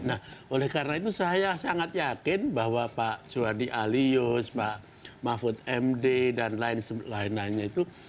nah oleh karena itu saya sangat yakin bahwa pak suhadi alius pak mahfud md dan lain lainnya itu